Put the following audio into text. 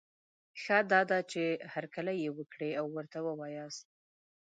ښه دا ده، چي هرکلی یې وکړی او ورته وواياست